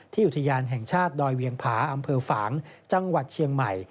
อุทยานแห่งชาติดอยเวียงผาอำเภอฝางจังหวัดเชียงใหม่